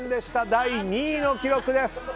第２位の記録です。